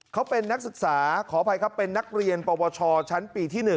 เขาเป็นนักศึกษาขออภัยครับเป็นนักเรียนปวชชั้นปีที่๑